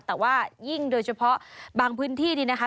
แต่ว่ายิ่งโดยเฉพาะบางพื้นที่นี่นะคะ